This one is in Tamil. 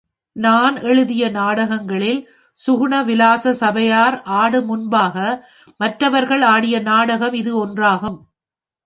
நான் எழுதிய நாடகங்களில், சுகுண விலாச சபையார் ஆடு முன்பாக மற்றவர்கள் ஆடிய நாடகம் இது ஒன்றாகும்.